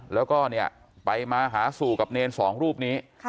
แล้วก็เนี่ยไปมาหาสู่กับเนรสองรูปนี้